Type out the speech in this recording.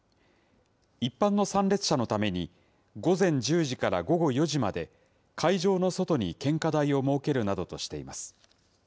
一般の参列者のために、午前１０時から午後４時まで、会場の外に献花台を設けるなどとしています。